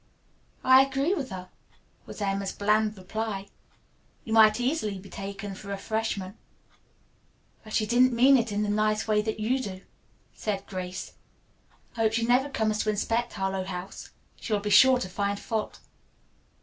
"I agree with her," was Emma's bland reply. "You might easily be taken for a freshman." "But she didn't mean it in the nice way that you do," said Grace. "I hope she never comes to inspect Harlowe House. She will be sure to find fault."